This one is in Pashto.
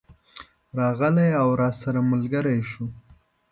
راغلی او راسره ملګری شو.